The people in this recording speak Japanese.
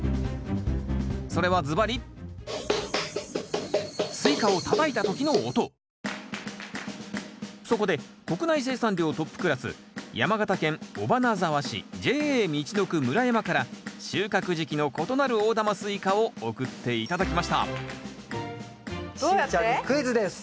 それはずばりそこで国内生産量トップクラス山形県尾花沢市ＪＡみちのく村山から収穫時期の異なる大玉スイカを送って頂きましたしーちゃんにクイズです。